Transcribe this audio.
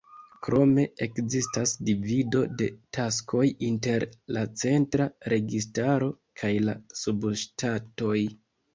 Krome, ekzistas divido de taskoj inter la centra registaro kaj la subŝtatoj.